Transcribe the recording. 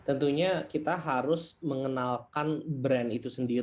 tentunya kita harus mengenalkan brand itu sendiri